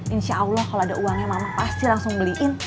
insya allah kalau ada uangnya mama pasti langsung beliin